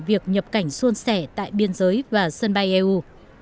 việc nhập cảnh xuân sẻ tại biên giới và sân bay eu